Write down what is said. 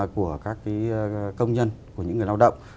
của các công nhân của những người lao động